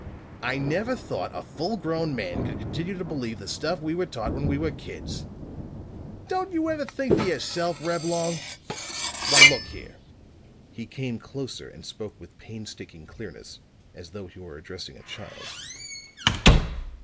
"I never thought a full grown man could continue to believe the stuff we were taught when we were kids! Don't you ever think for yourself, Reblong? Why, look here!" He came closer and spoke with painstaking clearness, as though he were addressing a child.